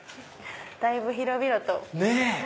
だいぶ広々と。